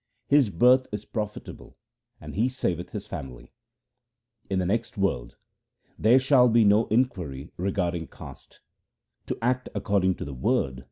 His birth is profitable, and he saveth his family. In the next world there shall be no inquiry regarding caste ; to act according to the Word is the real thing.